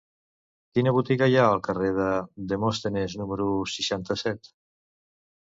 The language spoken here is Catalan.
Quina botiga hi ha al carrer de Demòstenes número seixanta-set?